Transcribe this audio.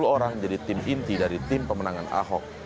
satu ratus lima puluh orang jadi tim inti dari tim pemenangan ahok